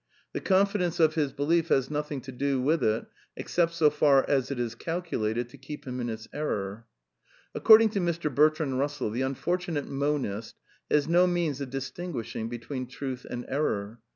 The confidence of his belief has nothing to do with it except so far as it is calculated to keep him in his error. According to Mr. Bertrand Russell, the tmfortunate monist has no means of distinguishing between truth and error.